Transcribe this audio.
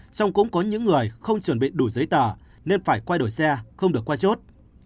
xong cũng có những người không chuẩn bị đủ giấy tờ nên phải quay đổi xe không được qua chốt